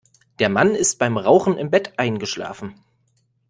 Der Mann ist beim Rauchen im Bett eingeschlafen.